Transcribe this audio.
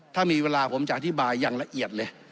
ถ้ามีเวลาผมจะอธิบายอย่างละเอียดเลย